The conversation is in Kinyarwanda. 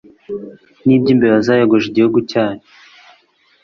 n'iby'imbeba zayogoje igihugu cyanyu